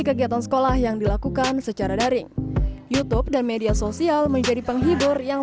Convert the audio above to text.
kegiatan sekolah yang dilakukan secara daring youtube dan media sosial menjadi penghibur yang